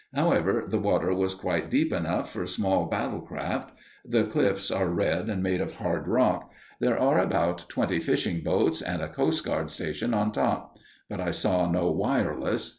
However, the water was quite deep enough for small battle craft. The cliffs are red and made of hard rock. There are about twenty fishing boats, and a coastguard station on top; but I saw no wireless.